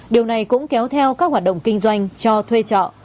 điều này cũng kéo theo các hoạt động kinh doanh cho thuê trọ